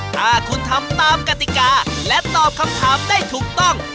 ถ้าคุณทำตามกติกาและตอบคำถามได้ถูกต้อง